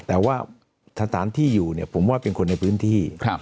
แต่ว่าสถานที่อยู่เนี่ยผมว่าเป็นคนในพื้นที่